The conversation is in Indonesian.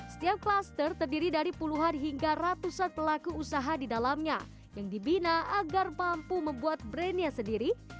setiap klaster terdiri dari puluhan hingga ratusan pelaku usaha di dalamnya yang dibina agar mampu membuat brandnya sendiri